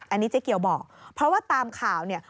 อันนี้เจ๊เกียวบอกเพราะว่าตามข่าวเนี่ย